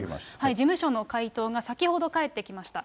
事務所の解答が、先ほど返ってきました。